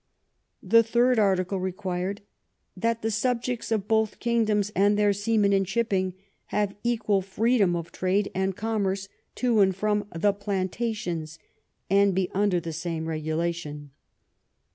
The third article required " That the subjects of both king doms and their seamen and shipping, have equal free dom of trade and commerce to and from the planta tions, and be under the same regulation."